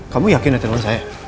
kamu yakin ada telpon saya